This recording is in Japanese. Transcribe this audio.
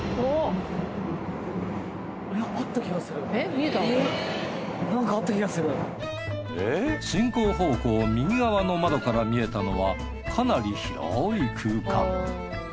新宿駅ではすると進行方向右側の窓から見えたのはかなり広い空間。